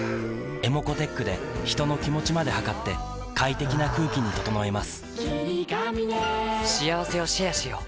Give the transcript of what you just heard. ｅｍｏｃｏーｔｅｃｈで人の気持ちまで測って快適な空気に整えます